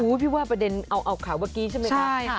พี่ว่าประเด็นเอาข่าวเมื่อกี้ใช่ไหมคะ